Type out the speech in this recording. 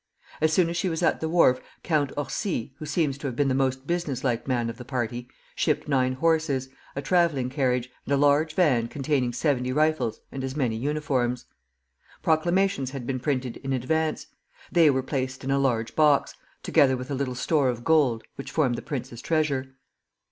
As soon as she was at the wharf, Count Orsi, who seems to have been the most business like man of the party, shipped nine horses, a travelling carriage, and a large van containing seventy rifles and as many uniforms. Proclamations had been printed in advance; they were placed in a large box, together with a little store of gold, which formed the prince's treasure.